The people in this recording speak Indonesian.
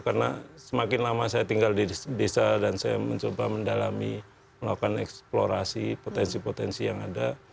karena semakin lama saya tinggal di desa dan saya mencoba mendalami melakukan eksplorasi potensi potensi yang ada